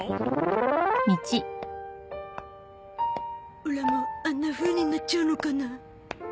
オラもあんなふうになっちゃうのかな？